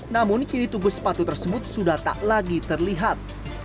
namun kini tubuh sepatu tersebut sudah tak lagi terlihat